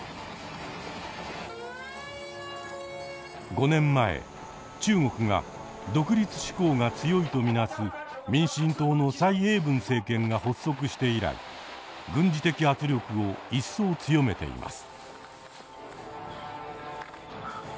５年前中国が独立志向が強いと見なす民進党の蔡英文政権が発足して以来軍事的圧力を一層強めています。